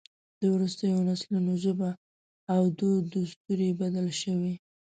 د وروستیو نسلونو ژبه او دود دستور یې بدل شوی.